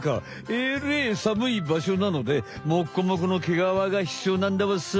えれえさむいばしょなのでモッコモコのけがわがひつようなんだわさ。